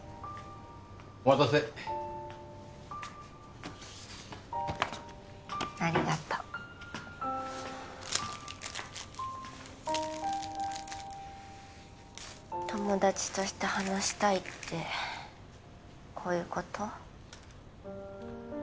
お待たせありがとう友達として話したいってこういうこと？